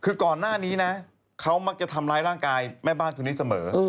คือก่อนหน้านี้นะเขามักจะทำร้ายร่างกายแม่บ้านคนนี้เสมอ